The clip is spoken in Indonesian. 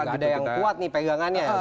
gak ada yang kuat nih pegangannya